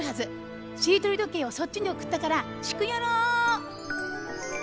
しりとりどけいをそっちにおくったからシクヨロ！